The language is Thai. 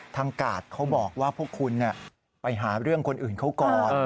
กาดเขาบอกว่าพวกคุณไปหาเรื่องคนอื่นเขาก่อน